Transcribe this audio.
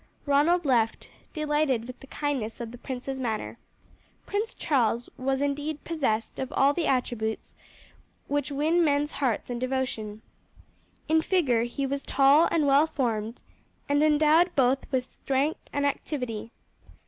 Ronald left, delighted with the kindness of the prince's manner. Prince Charles was indeed possessed of all the attributes which win men's hearts and devotion. In figure he was tall and well formed, and endowed both with strength and activity.